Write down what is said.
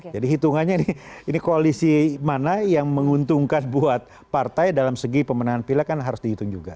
jadi hitungannya ini koalisi mana yang menguntungkan buat partai dalam segi pemenangan pilek kan harus dihitung juga